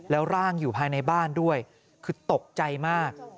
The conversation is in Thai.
แล้วร่างอยู่ภายในบ้านด้วยคือตกใจมาก